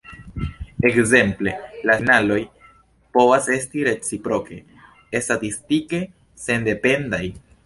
Ekzemple, la signaloj povas esti reciproke statistike sendependaj.